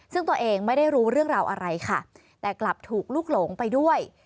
ซึ่งตัวเองไม่ได้รู้เรื่องราวอะไรค่ะแต่กลับถูกลูกหลงไปด้วย